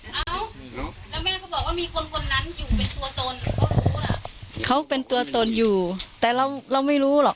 แล้วแม่ก็บอกว่ามีคนนั้นอยู่เป็นตัวตนเขาเป็นตัวตนอยู่แต่เราไม่รู้หรอก